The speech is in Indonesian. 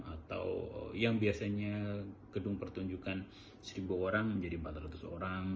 atau yang biasanya gedung pertunjukan seribu orang menjadi empat ratus orang